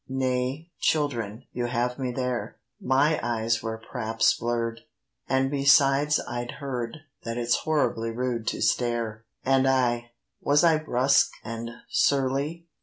Nay, children, you have me there! My eyes were p'raps blurr'd; and besides I'd heard That it's horribly rude to stare. And I—was I brusque and surly?